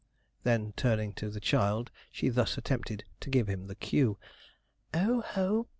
Then turning to the child, she thus attempted to give him the cue. 'O, ho!